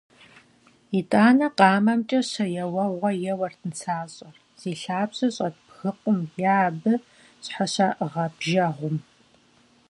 Итӏанэ къамэмкӀэ щэ еуэгъуэ еуэрт нысащӀэр зи лъабжьэ щӀэт бгыкъум е абы щхьэщаӀыгъэ бжэгъум.